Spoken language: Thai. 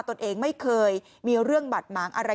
ตัวเองไม่เคยมีเรื่องบาดหมางอะไร